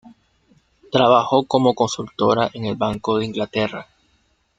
Trabajó como consultora en el Banco de Inglaterra.